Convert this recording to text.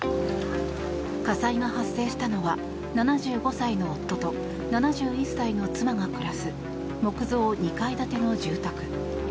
火災が発生したのは７５歳の夫と７１歳の妻が暮らす木造２階建ての住宅。